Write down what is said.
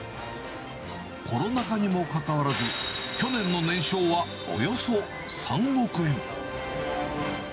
コロナ禍にもかかわらず、去年の年商はおよそ３億円。